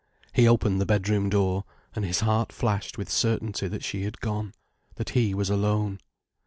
He opened the bedroom door, and his heart flashed with certainty that she had gone, that he was alone.